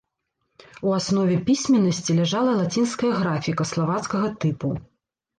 У аснове пісьменнасці ляжала лацінская графіка славацкага тыпу.